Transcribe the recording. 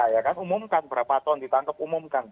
ya kan umumkan berapa ton ditangkap umumkan